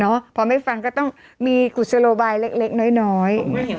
พอไม่ฟังก็ต้องมีกุศโลบายเล็กน้อย